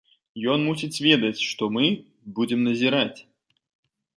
Ён мусіць ведаць, што мы будзем назіраць.